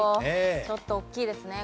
ちょっと大きいですね